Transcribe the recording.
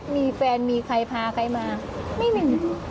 มีแฟนมีใครพาใครมาไม่มี